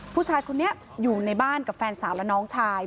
ผู้ชายคนนี้อยู่ในบ้านกับแฟนสาวและน้องชาย